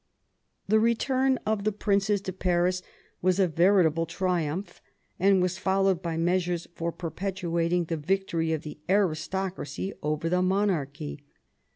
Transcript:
" The return of the princes to Paris was a veritable triumph," and was followed by measures for perpetuating the victory of the aristocracy over the monarchy.